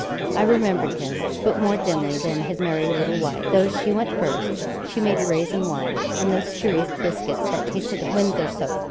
I remembered him, but more dimly than his merry little wife, though she went first. She made raisin wine, and those curious biscuits that tasted of Windsor soap.